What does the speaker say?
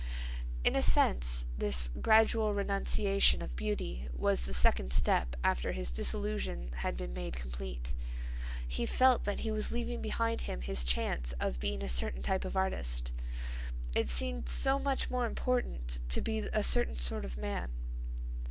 In a sense this gradual renunciation of beauty was the second step after his disillusion had been made complete. He felt that he was leaving behind him his chance of being a certain type of artist. It seemed so much more important to be a certain sort of man.